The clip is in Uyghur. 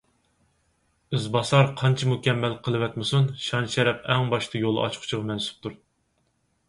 ئىز باسار قانچە مۇكەممەل قىلىۋەتمىسۇن، شان - شەرەپ ئەڭ باشتا يول ئاچقۇچىغا مەنسۇپتۇر.